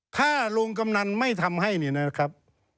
ถ้าลุงกำนันไม่ทำให้เนี่ยนะครับ